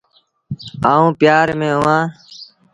آئوٚݩ پيآر ميݩ اهآݩ ۔